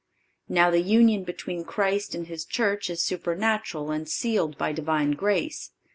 Now the union between Christ and His Church is supernatural and sealed by Divine grace.